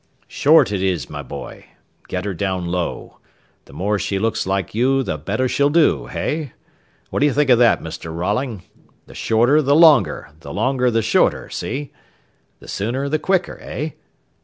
"Short it is, my boy. Get her down low. The more she looks like you, the better she'll do, hey? What d'you think of that, Mr. Rolling? The shorter the longer, the longer the shorter see? The sooner the quicker, eh?